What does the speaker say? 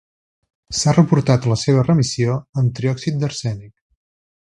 S'ha reportat la seva remissió amb triòxid d'arsènic.